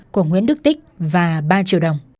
của nguyễn đức tích và ba triệu đồng